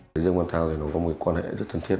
liên quan thao thì nó có một quan hệ rất thân thiết